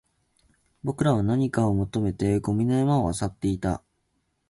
僕らは何かを求めてゴミの山を漁っていた